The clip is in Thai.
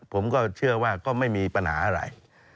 ผมก็เชื่อว่าก็ไม่มีปัญหาอะไร